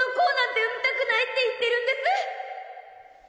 産みたくないって言ってるんです！